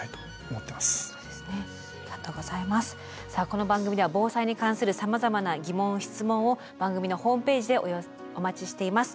この番組では防災に関するさまざまな疑問・質問を番組のホームページでお待ちしています。